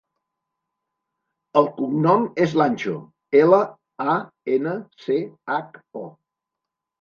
El cognom és Lancho: ela, a, ena, ce, hac, o.